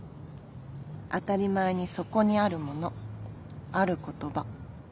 当たり前にそこにあるものある言葉